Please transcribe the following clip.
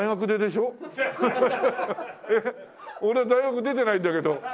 俺大学出てないんだけど。